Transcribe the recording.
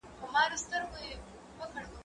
زه قلم استعمالوم کړی دی،